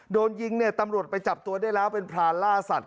โดนยิงเนี่ยตำรวจไปจับตัวได้แล้วเป็นพรานล่าสัตว